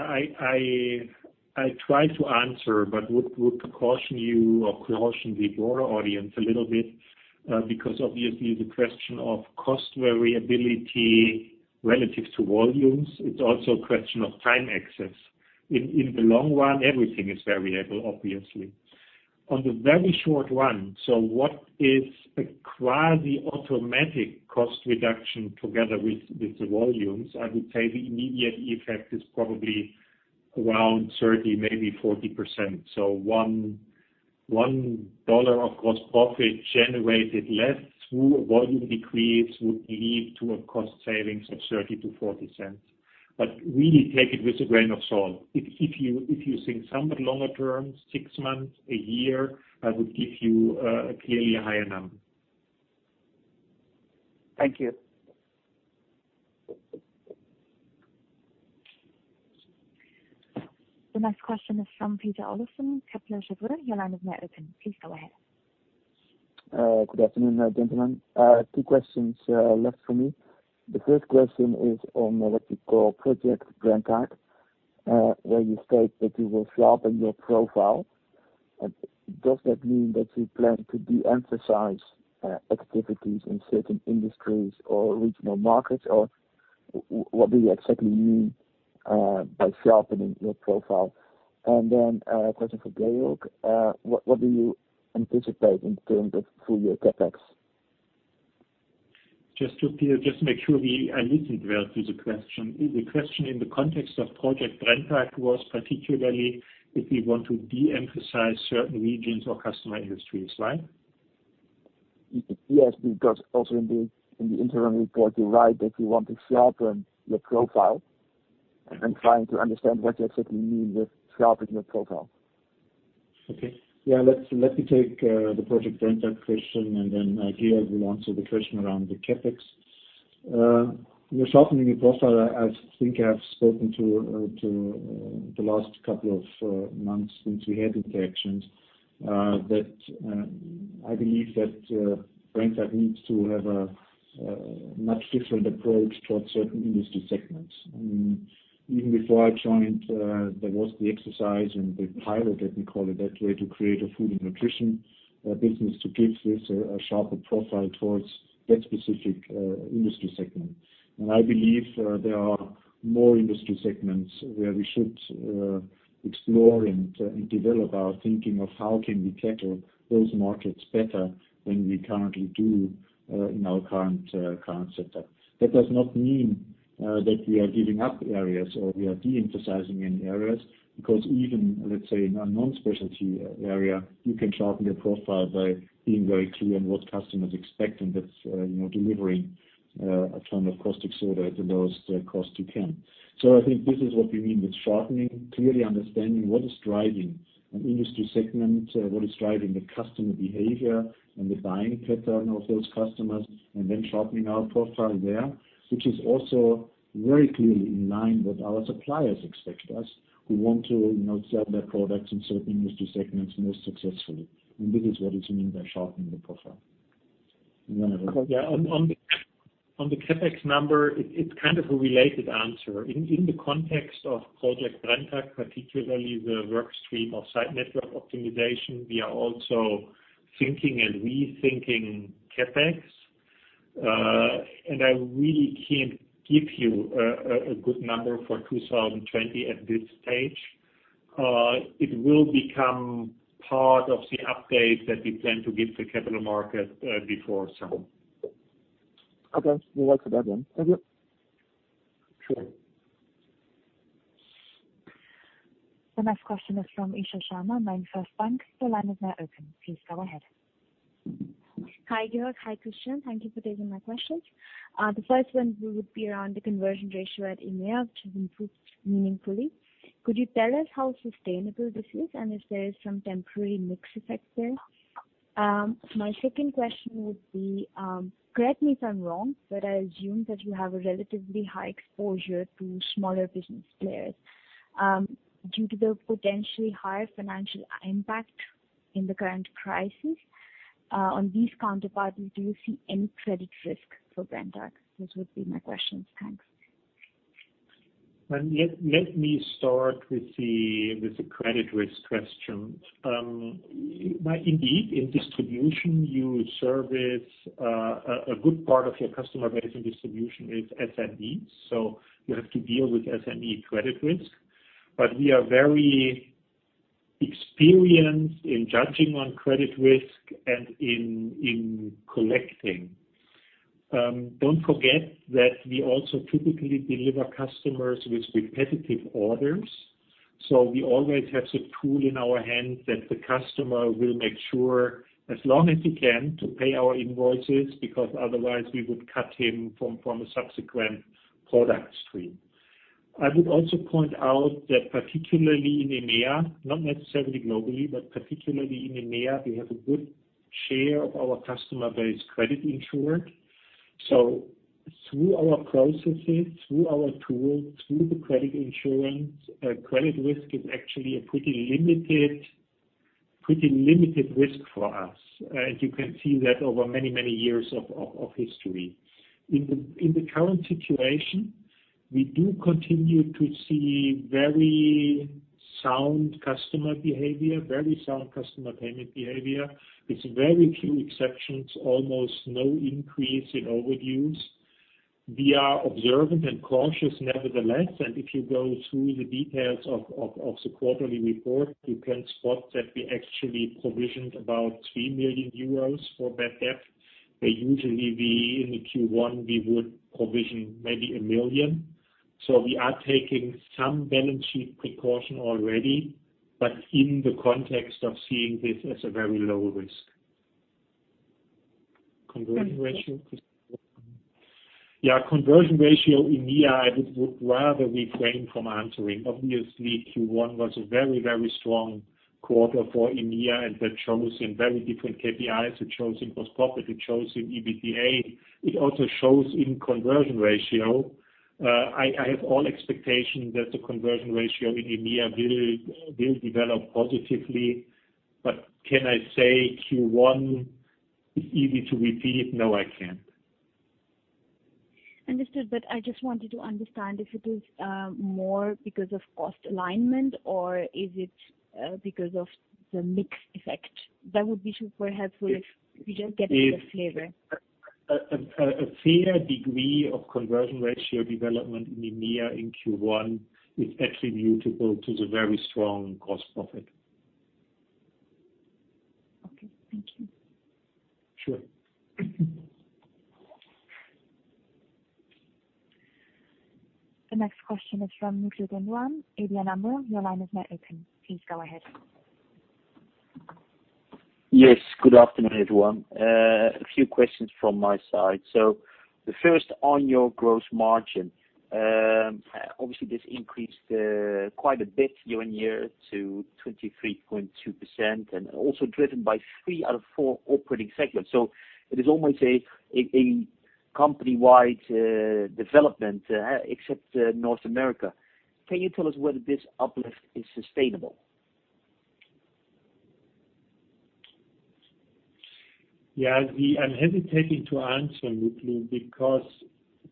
I try to answer, but would caution you or caution the broader audience a little bit, because obviously, the question of cost variability relative to volumes, it's also a question of time access. In the long run, everything is variable, obviously. On the very short run, so what is a quasi-automatic cost reduction together with the volumes? I would say the immediate effect is probably around 30%, maybe 40%. EUR 1 of gross profit generated less through volume decrease would lead to a cost savings of 0.30-0.40. Really take it with a grain of salt. If you think somewhat longer term, six months, a year, I would give you a clearly higher number. Thank you. The next question is from Peter Olofsen, Kepler Cheuvreux. Your line is now open. Please go ahead. Good afternoon, gentlemen. Two questions left from me. The first question is on what you call Project Brenntag, where you state that you will sharpen your profile. Does that mean that you plan to de-emphasize activities in certain industries or regional markets, or what do you exactly mean by sharpening your profile? A question for Georg. What do you anticipate in terms of full year CapEx? Just to, Peter, just make sure I listened well to the question. The question in the context of Project Brenntag was particularly if we want to de-emphasize certain regions or customer industries, right? Yes, because also in the interim report, you write that you want to sharpen your profile. I'm trying to understand what you exactly mean with sharpening your profile. Okay. Let me take the Project Brenntag question, then Georg will answer the question around the CapEx. We're sharpening the profile. I think I have spoken to the last couple of months since we had these actions, that I believe that Brenntag needs to have a much different approach towards certain industry segments. Even before I joined, there was the exercise and the pilot, let me call it that way, to create a food and nutrition business to give this a sharper profile towards that specific industry segment. I believe there are more industry segments where we should explore and develop our thinking of how can we tackle those markets better than we currently do. In our current setup. That does not mean that we are giving up areas or we are de-emphasizing any areas because even, let's say, in a non-specialty area, you can sharpen your profile by being very clear on what customers expect and that's delivering a ton of caustic soda at the lowest cost you can. I think this is what we mean with sharpening, clearly understanding what is driving an industry segment, what is driving the customer behavior and the buying pattern of those customers, and then sharpening our profile there, which is also very clearly in line with our suppliers' expectations, who want to sell their products in certain industry segments more successfully. This is what is meant by sharpening the profile. Yeah. On the CapEx number, it's kind of a related answer. In the context of Project Brenntag, particularly the work stream of site network optimization, we are also thinking and rethinking CapEx. I really can't give you a good number for 2020 at this stage. It will become part of the update that we plan to give the capital market before summer. Okay. We will wait for that then. Thank you. Sure. The next question is from Isha Sharma, MainFirst Bank. The line is now open. Please go ahead. Hi, Georg. Hi, Christian. Thank you for taking my questions. The first one would be around the conversion ratio at EMEA, which has improved meaningfully. Could you tell us how sustainable this is and if there is some temporary mix effect there? My second question would be, correct me if I'm wrong, but I assume that you have a relatively high exposure to smaller business players. Due to the potentially higher financial impact in the current crisis on these counterparts, do you see any credit risk for Brenntag? Those would be my questions. Thanks. Let me start with the credit risk question. Indeed, in distribution, a good part of your customer base in distribution is SMEs, so you have to deal with SME credit risk. We are very experienced in judging on credit risk and in collecting. Don't forget that we also typically deliver customers with repetitive orders. We always have the tool in our hand that the customer will make sure, as long as he can, to pay our invoices because otherwise we would cut him from a subsequent product stream. I would also point out that particularly in EMEA, not necessarily globally, but particularly in EMEA, we have a good share of our customer base credit insured. Through our processes, through our tools, through the credit insurance, credit risk is actually a pretty limited risk for us. As you can see that over many years of history. In the current situation, we do continue to see very sound customer behavior, very sound customer payment behavior, with very few exceptions, almost no increase in overdues. We are observant and cautious nevertheless, if you go through the details of the quarterly report, you can spot that we actually provisioned about 3 million euros for bad debt, where usually in the Q1 we would provision maybe 1 million. We are taking some balance sheet precaution already, but in the context of seeing this as a very low risk. Conversion ratio? Conversion ratio. Yeah. Conversion ratio in EMEA, I would rather refrain from answering. Obviously, Q1 was a very, very strong quarter for EMEA, and that shows in very different KPIs. It shows in gross profit, it shows in EBITDA. It also shows in conversion ratio. I have all expectation that the conversion ratio in EMEA will develop positively. Can I say Q1 is easy to repeat? No, I can't. Understood. I just wanted to understand if it is more because of cost alignment or is it because of the mix effect? That would be super helpful if we just get a better flavor. A fair degree of conversion ratio development in EMEA in Q1 is attributable to the very strong gross profit. Okay. Thank you. Sure. The next question is from Mutlu Gundogan, ABN AMRO. Your line is now open. Please go ahead. Yes, good afternoon, everyone. A few questions from my side. The first on your gross margin. Obviously, this increased quite a bit year-on-year to 23.2% and also driven by three out of four operating segments. It is almost a company-wide development except North America. Can you tell us whether this uplift is sustainable? I'm hesitating to answer, Mutlu, because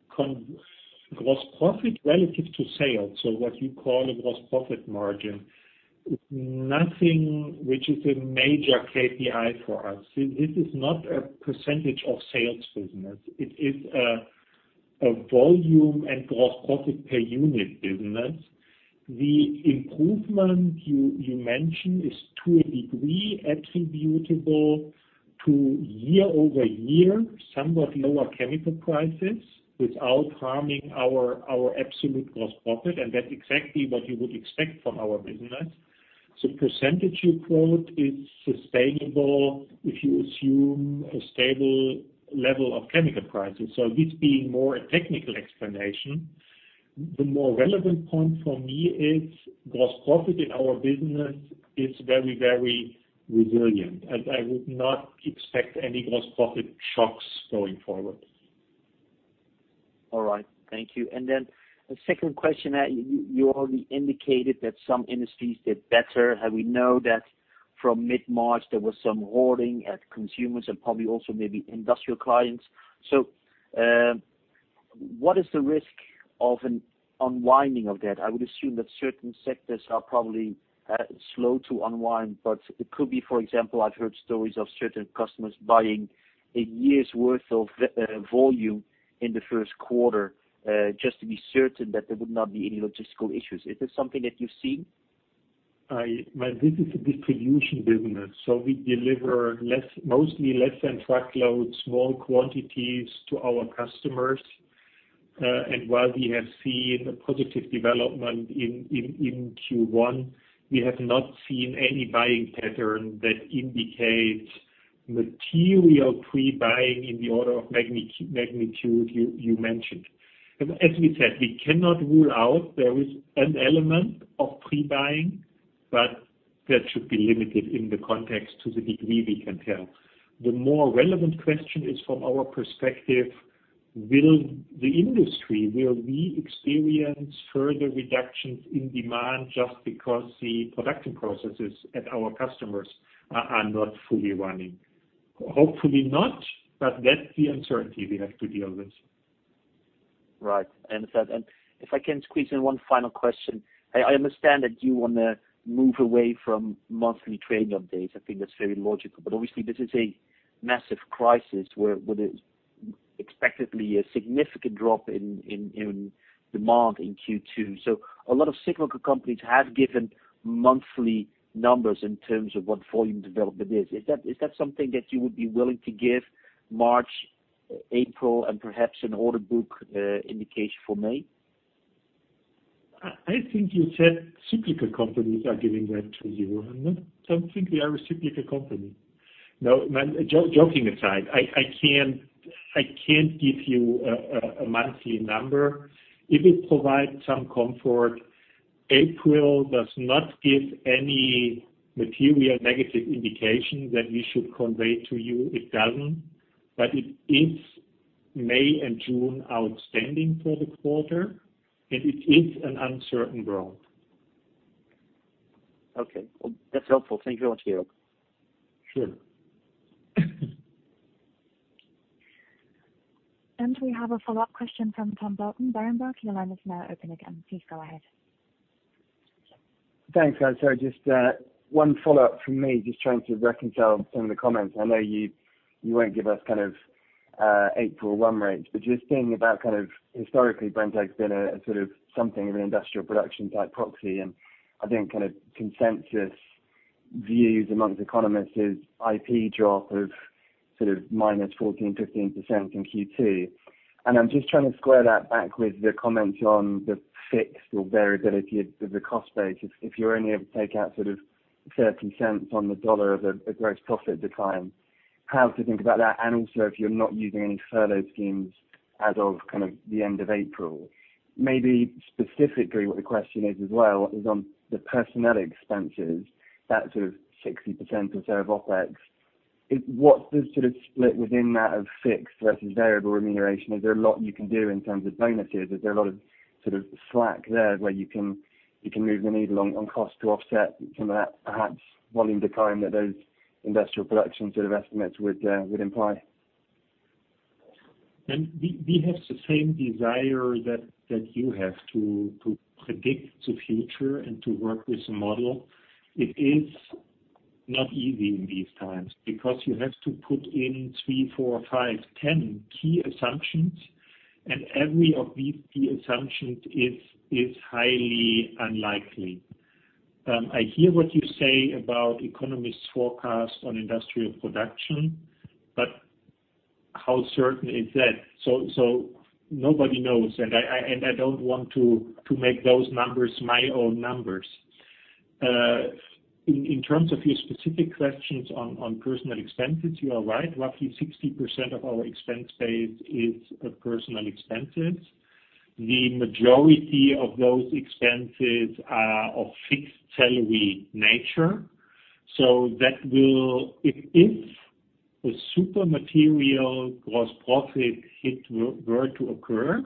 gross profit relative to sales, so what you call a gross profit margin, is nothing which is a major KPI for us. This is not a percentage of sales business. It is a volume and gross profit per unit business. The improvement you mentioned is to a degree attributable to year-over-year, somewhat lower chemical prices without harming our absolute gross profit, and that's exactly what you would expect from our business. The percentage you quote is sustainable if you assume a stable level of chemical prices. This being more a technical explanation, the more relevant point for me is gross profit in our business is very resilient, and I would not expect any gross profit shocks going forward. All right. Thank you. The second question, you already indicated that some industries did better, and we know that from mid-March there was some hoarding at consumers and probably also maybe industrial clients. What is the risk of an unwinding of that? I would assume that certain sectors are probably slow to unwind, but it could be, for example, I've heard stories of certain customers buying one year's worth of volume in the first quarter, just to be certain that there would not be any logistical issues. Is this something that you've seen? This is a distribution business, so we deliver mostly less than truckload, small quantities to our customers. While we have seen a positive development in Q1, we have not seen any buying pattern that indicates material pre-buying in the order of magnitude you mentioned. As we said, we cannot rule out there is an element of pre-buying, but that should be limited in the context to the degree we can tell. The more relevant question is, from our perspective, will the industry, will we experience further reductions in demand just because the production processes at our customers are not fully running? Hopefully not, but that's the uncertainty we have to deal with. Right. Understood. If I can squeeze in one final question. I understand that you want to move away from monthly trading updates. I think that's very logical, but obviously this is a massive crisis where there's expectedly a significant drop in demand in Q2. A lot of cyclical companies have given monthly numbers in terms of what volume development is. Is that something that you would be willing to give March, April, and perhaps an order book indication for May? I think you said cyclical companies are giving that to you. I don't think we are a cyclical company. No, joking aside, I can't give you a monthly number. If it provides some comfort, April does not give any material negative indication that we should convey to you. It doesn't. It is May and June outstanding for the quarter, and it is an uncertain ground. Okay. Well, that's helpful. Thank you very much, Georg. Sure. We have a follow-up question from Tom Burlton. Berenberg, your line is now open again. Please go ahead. Thanks, guys. Just one follow-up from me. Just trying to reconcile some of the comments. I know you won't give us kind of April run rates, but just thinking about historically, Brenntag's been a sort of something of an industrial production type proxy, and I think kind of consensus views amongst economists is IP drop of -14%, -15% in Q2. I'm just trying to square that back with the comments on the fixed or variability of the cost base. If you're only able to take out certain cents on the dollar as a gross profit decline, how to think about that. Also, if you're not using any furlough schemes as of the end of April. Maybe specifically what the question is as well is on the personnel expenses, that sort of 60% or so of OpEx. What's the sort of split within that of fixed versus variable remuneration? Is there a lot you can do in terms of bonuses? Is there a lot of slack there where you can move the needle on cost to offset some of that perhaps volume decline that those industrial production sort of estimates would imply? Tom, we have the same desire that you have to predict the future and to work with the model. It is not easy in these times, because you have to put in three, four, five, 10 key assumptions, and every of these key assumptions is highly unlikely. I hear what you say about economists' forecast on industrial production, but how certain is that? Nobody knows, and I don't want to make those numbers my own numbers. In terms of your specific questions on personal expenses, you are right. Roughly 60% of our expense base is personal expenses. The majority of those expenses are of fixed salary nature. If a super material gross profit hit were to occur,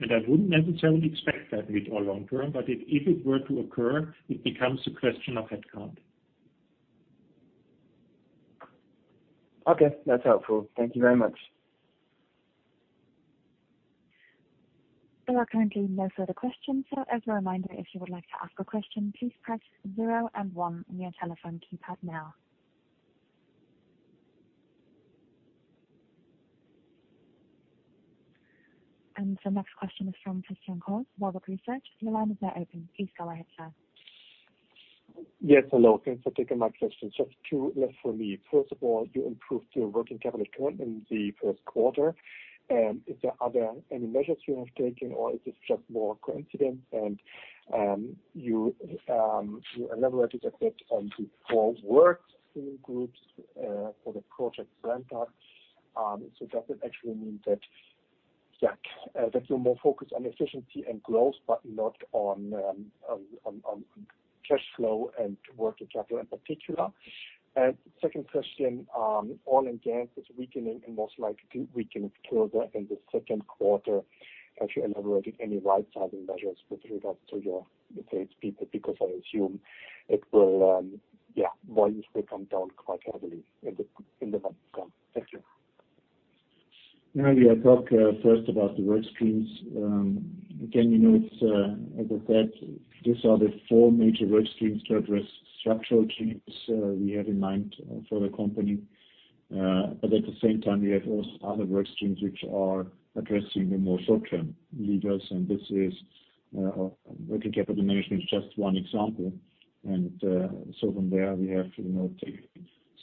and I wouldn't necessarily expect that mid or long term, but if it were to occur, it becomes a question of headcount. Okay, that's helpful. Thank you very much. There are currently no further questions. As a reminder, if you would like to ask a question, please press zero and one on your telephone keypad now. The next question is from Christian Cohrs, Warburg Research. Your line is now open. Please go ahead, sir. Yes, hello. Thanks for taking my question. Just two left for me. First of all, you improved your working capital turn in the first quarter. Is there other any measures you have taken or is this just more coincidence? You elaborated a bit on the four work stream groups for the Project Brenntag. Does it actually mean that you're more focused on efficiency and growth, but not on cash flow and working capital in particular? Second question, oil and gas is weakening and most likely weakening further in the second quarter. Have you elaborated any right-sizing measures with regards to your people? Because I assume volumes will come down quite heavily in the months to come. Thank you. Yeah. I talk first about the work streams. As I said, these are the four major work streams to address structural changes we have in mind for the company. At the same time, we have also other work streams which are addressing the more short-term levers. Working capital management is just one example. From there we have to take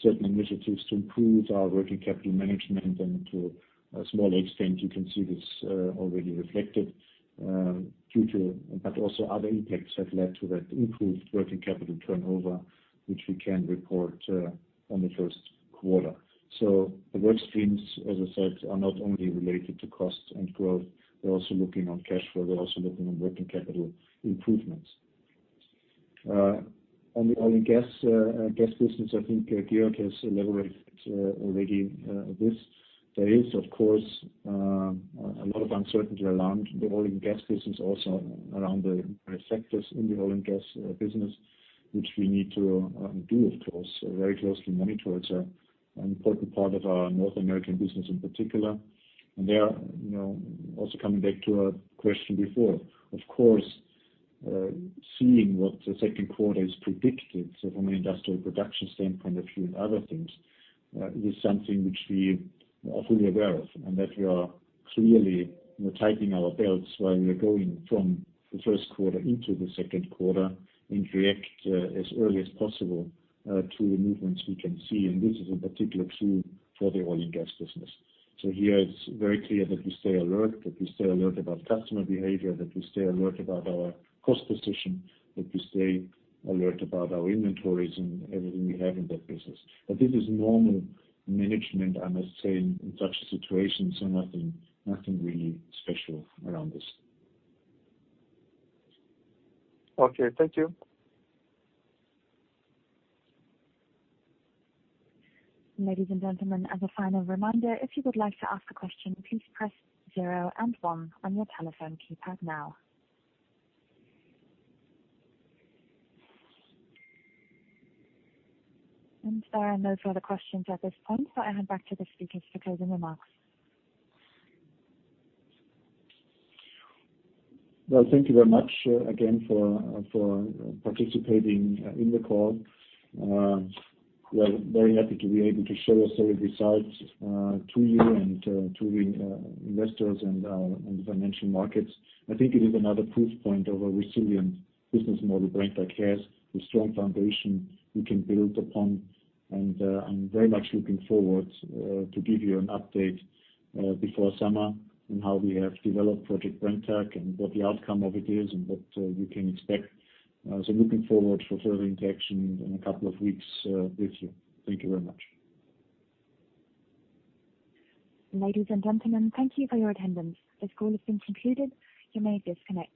certain initiatives to improve our working capital management and to a small extent, you can see this already reflected. Also other impacts have led to that improved working capital turnover, which we can report on the first quarter. The work streams, as I said, are not only related to cost and growth. We're also looking on cash flow. We're also looking on working capital improvements. On the oil and gas business, I think Georg has elaborated already this. There is, of course, a lot of uncertainty around the oil and gas business, also around the sectors in the oil and gas business, which we need to do, of course, very closely monitor. It's an important part of our North American business in particular. There, also coming back to a question before, of course, seeing what the second quarter is predicted. From an industrial production standpoint, a few other things, is something which we are fully aware of and that we are clearly tightening our belts while we are going from the first quarter into the second quarter and react as early as possible to the movements we can see. This is a particular tune for the oil and gas business. Here it's very clear that we stay alert, that we stay alert about customer behavior, that we stay alert about our cost position, that we stay alert about our inventories and everything we have in that business. This is normal management, I must say, in such a situation. Nothing really special around this. Okay. Thank you. Ladies and gentlemen, as a final reminder, if you would like to ask a question, please press zero and one on your telephone keypad now. There are no further questions at this point. I hand back to the speakers for closing remarks. Well, thank you very much again for participating in the call. We are very happy to be able to show our solid results to you and to the investors and the financial markets. I think it is another proof point of a resilient business model Brenntag has with strong foundation we can build upon. I'm very much looking forward to give you an update before summer on how we have developed Project Brenntag and what the outcome of it is and what you can expect. Looking forward for further interactions in a couple of weeks with you. Thank you very much. Ladies and gentlemen, thank you for your attendance. This call has been concluded. You may disconnect.